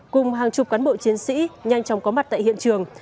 cùng hàng chục cán bộ chiến sĩ nhanh chóng có mặt tại hiện trường